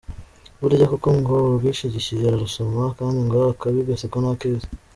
Burya koko ngo urwishigishiye ararusoma, kandi ngo akabi gasekwa nk’akeza.